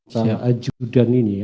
tentang ajudan ini ya